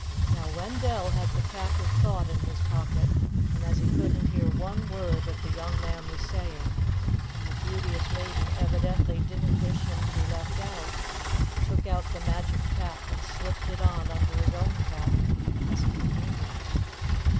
Now Wendell had the Cap of Thought in his pocket, and as he couldn't hear one word that the young man was saying and the Beauteous Maiden evidently didn't wish him to be left out, he took out the Magic Cap and slipped it on under his own cap as a convenience.